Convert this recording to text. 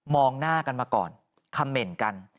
หน้ากันมาก่อนคำเหม็นกัน